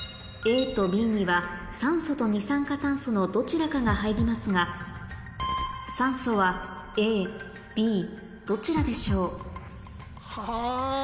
ＡとＢには酸素と二酸化炭素のどちらかが入りますが酸素はＡＢどちらでしょう？